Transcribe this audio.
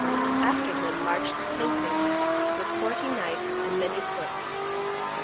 After him marched Tancred with forty knights and many foot.